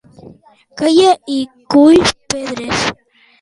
Calla i cull pedres.